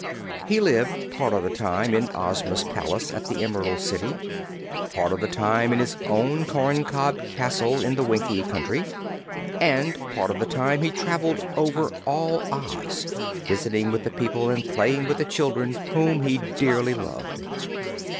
He lived part of the time in Ozma's palace at the Emerald City, part of the time in his own corncob castle in the Winkie Country, and part of the time he traveled over all Oz, visiting with the people and playing with the children, whom he dearly loved.